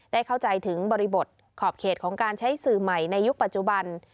ได้เข้าใจถึงบริบทขอบเขตของการใช้สื่อใหม่ในยุคปัจจุบัน